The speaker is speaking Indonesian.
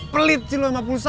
pelit sih sama pulsa